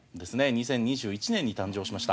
２０２１年に誕生しました。